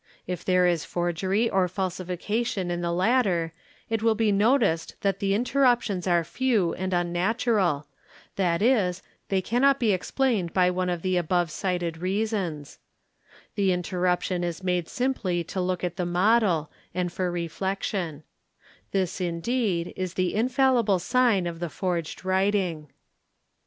If there is forgery or falsification in th latter it will be noticed that the interruptions are few and unnatura that is, they cannot be explained by one of the above cited reason The interruption is made simply to look at the model and for reflectio This indeed is the infallible sign of the forged writing.